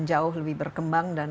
jauh lebih berkembang dan